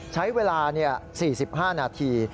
ใช้เวลา๔๕นาที